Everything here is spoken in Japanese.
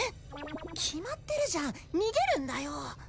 決まってるじゃん逃げるんだよ